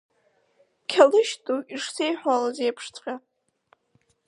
Қьалышь ду ишсеиҳәалоз еиԥшҵәҟьа…